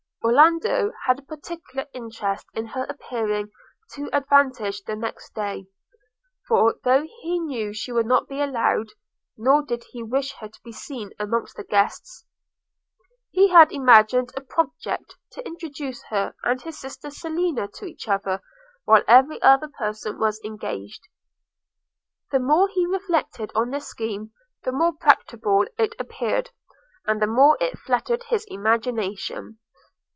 Orlando had a particular interest in her appearing to advantage the next day; for, though he knew she would not be allowed, nor did he wish her to be seen amongst the guests, he had imagined a project to introduce her and his sister Selina to each other while every other person was engaged. The more he reflected on this scheme, the more practicable it appeared, and the more it flattered his imagination.